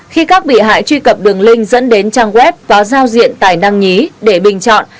khi các bị hại truy cập đường link dẫn đến trang web có giao diện tài năng nhí để bình chọn